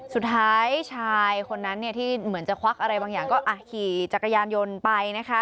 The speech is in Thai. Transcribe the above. สุดท้ายชายคนนั้นเนี่ยที่เหมือนจะควักอะไรบางอย่างก็ขี่จักรยานยนต์ไปนะคะ